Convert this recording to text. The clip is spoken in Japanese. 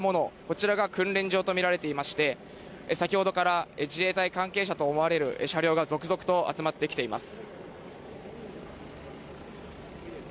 あちらの白っぽい建物、こちらが訓練場と見られていまして、先ほどから自衛隊関係者と思われる車両が続々と集まってきています。